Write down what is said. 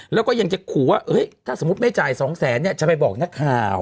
แล้วก็ยังจะขู่ว่าถ้าสมมุติไม่จ่าย๒แสนเนี่ยจะไปบอกนักข่าว